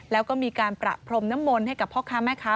แล้วก็มีการประพรมน้ำมนต์ให้กับพ่อค้าแม่ค้า